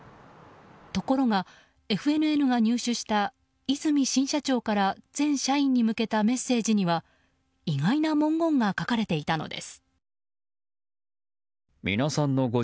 ところが、ＦＮＮが入手した和泉新社長から全社員に向けたメッセージには意外な文言が書かれていたのです。